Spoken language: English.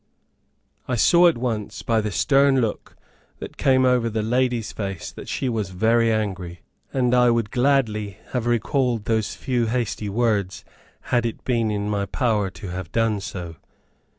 I saw at once by the stern look that came over the lady's face that she was very angry; and I would gladly have recalled those few hasty words had it been in my power to have done so.